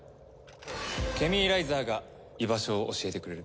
ケミーライザーが居場所を教えてくれる。